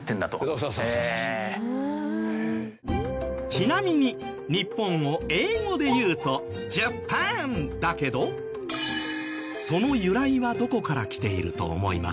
ちなみに日本を英語で言うと「ジャパン」だけどその由来はどこから来ていると思いますか？